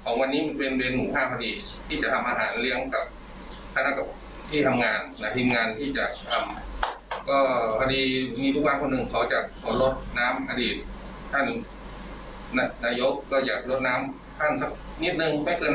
เฮ้ยนี่มันปรบกดออกมาได้ยังไงนะ